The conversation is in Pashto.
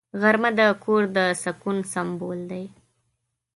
غرمه د کور د سکون سمبول دی